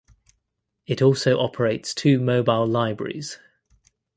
It also operates two mobile libraries.